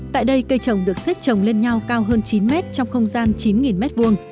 tại đây cây trồng được xếp trồng lên nhau cao hơn chín mét trong không gian chín mét vuông